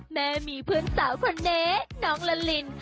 แม่มีเพื่อนสาวคนนี้น้องละลิน